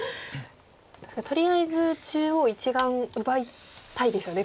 とりあえず中央１眼奪いたいですよね